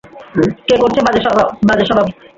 কে করছে বাজে সবাব?